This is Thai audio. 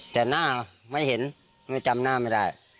แต่หน้าไม่เห็นไม่จำหน้าไม่ได้